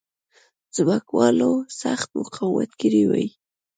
ځمکوالو سخت مقاومت کړی وای.